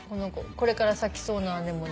これから咲きそうなアネモネ。